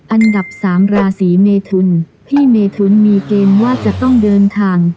อันดับสามราศีเมทุนพี่เมทุนมีเกณฑ์ว่าจะต้องเดินทาง